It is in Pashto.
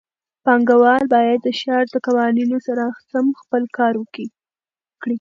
پانګهوال باید د ښار د قوانینو سره سم خپل کار وکړي.